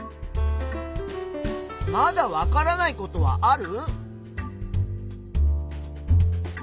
まだわからないことはある？